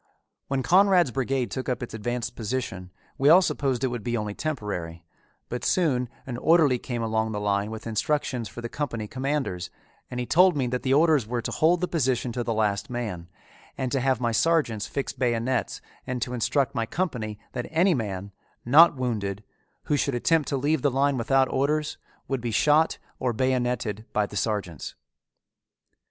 When Conrad's brigade took up its advanced position we all supposed it would be only temporary, but soon an orderly came along the line with instructions for the company commanders and he told me that the orders were to hold the position to the last man, and to have my sergeants fix bayonets and to instruct my company that any man, not wounded, who should attempt to leave the line without orders, would be shot or bayonetted by the sergeants.